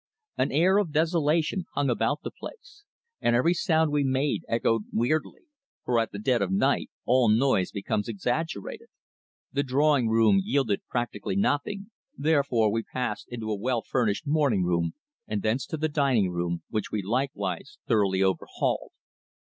An air of desolation hung about the place, and every sound we made echoed weirdly, for at dead of night all noise becomes exaggerated. The drawing room yielded practically nothing, therefore we passed into a well furnished morning room, and thence to the dining room, which we likewise thoroughly overhauled.